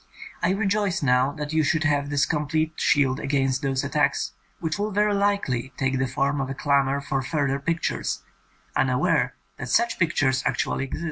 I rejoice now that you should have this com plete shield against those attacks which will very likely take the form of a clamour for further pictures, unaware that such pictures actually exist.